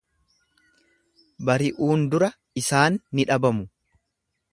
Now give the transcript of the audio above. Bari'uun dura isaan ni dhabamu.